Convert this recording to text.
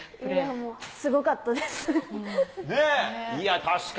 もうすごかったです。